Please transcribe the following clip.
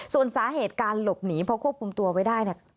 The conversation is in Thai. ส่วนสาเหตุการหลบหนีเพราะควบคุมตัวไว้ได้เนี่ย